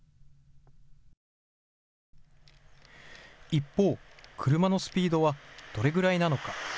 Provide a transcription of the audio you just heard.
一方、車のスピードはどれぐらいなのか。